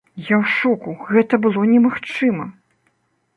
Я у шоку, гэта было немагчыма!